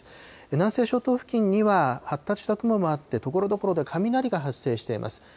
南西諸島付近には、発達した雲もあって、ところどころで雷が発生しています。